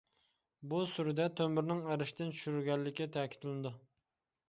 بۇ سۈرىدە تۆمۈرنىڭ ئەرشتىن چۈشۈرۈلگەنلىكى تەكىتلىنىدۇ.